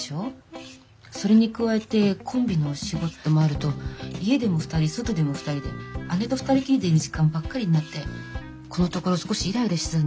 それに加えてコンビの仕事もあると家でも２人外でも２人で姉と２人きりでいる時間ばっかりになってこのところ少しイライラしてたんです。